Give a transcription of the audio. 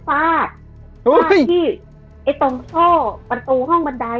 ฟาดที่ไอ้ตรงโชว์ประตูห้องบันไดอ่ะ